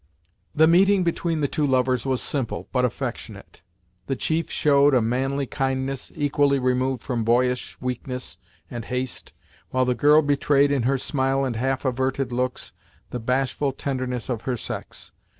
The meeting between the two lovers was simple, but affectionate. The chief showed a manly kindness, equally removed from boyish weakness and haste, while the girl betrayed, in her smile and half averted looks, the bashful tenderness of her sex.